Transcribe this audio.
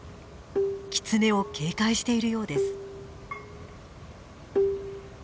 キツネを警戒しているようです。